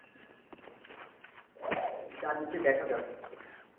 যা নিচে দেখা যাবে